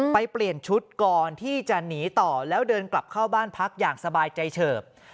เปลี่ยนชุดก่อนที่จะหนีต่อแล้วเดินกลับเข้าบ้านพักอย่างสบายใจเฉิบ